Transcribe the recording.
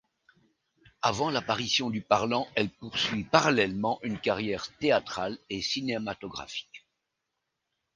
Avant l'apparition du parlant, elle poursuit parallèlement une carrière théâtrale et cinématographique.